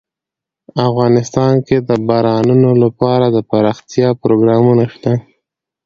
افغانستان کې د بارانونو لپاره دپرمختیا پروګرامونه شته.